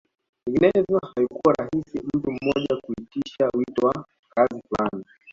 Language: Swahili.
Vinginevyo haikuwa rahisi mtu mmoja kuitisha wito wa kazi fulani